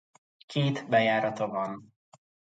Két bejárata van.